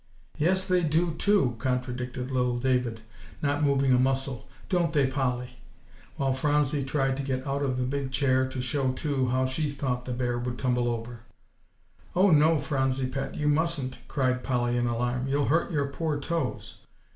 "Yes, they do too," contradicted little David, not moving a muscle; "don't they, Polly?" while Phronsie tried to get out of her big chair to show, too, how she thought the bear would tumble over. "Oh, no, Phronsie pet, you mustn't!" cried Polly in alarm; "you'll hurt your poor toes.